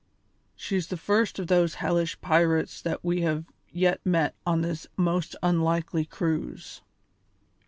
She's the first of those hellish pirates that we have yet met on this most unlucky cruise."